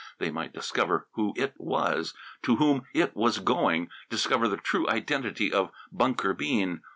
They might discover who It was, to whom It was going; discover the true identity of Bunker Bean.